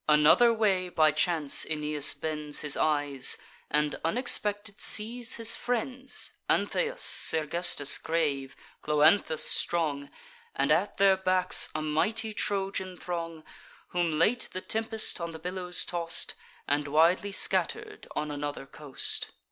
Another way by chance Aeneas bends His eyes, and unexpected sees his friends, Antheus, Sergestus grave, Cloanthus strong, And at their backs a mighty Trojan throng, Whom late the tempest on the billows toss'd, And widely scatter'd on another coast.